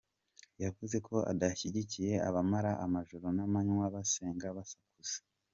Yavuze ko adashyigikiye abamara amajoro n’ amanywa basenga basakuza.